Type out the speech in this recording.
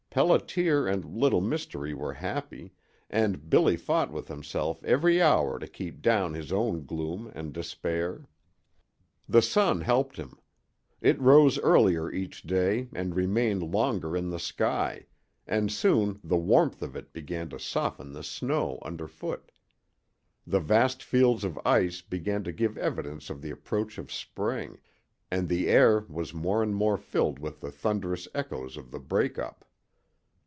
Pelliter and Little Mystery were happy, and Billy fought with himself every hour to keep down his own gloom and despair. The sun helped him. It rose earlier each day and remained longer in the sky, and soon the warmth of it began to soften the snow underfoot. The vast fields of ice began to give evidence of the approach of spring, and the air was more and more filled with the thunderous echoes of the "break up."